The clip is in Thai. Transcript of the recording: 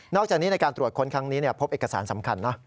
จากนี้ในการตรวจค้นครั้งนี้พบเอกสารสำคัญนะ